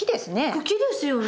茎ですよね。